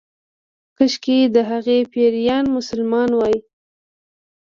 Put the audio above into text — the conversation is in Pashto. کشکې د هغې پيريان مسلمان وای